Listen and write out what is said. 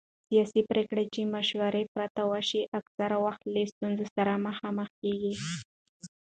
سیاسي پرېکړې چې د مشورې پرته وشي اکثره وخت له ستونزو سره مخ کېږي